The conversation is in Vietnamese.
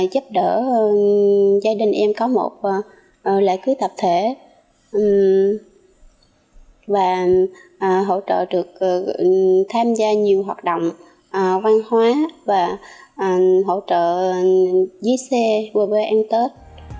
giúp đỡ gia đình em có một lễ cưới tập thể và hỗ trợ được tham gia nhiều hoạt động văn hóa và hỗ trợ dưới xe quê ăn tết